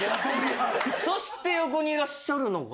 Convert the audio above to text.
そして横にいらっしゃるのが？